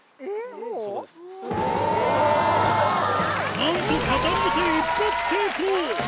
なんと肩乗せ一発成功。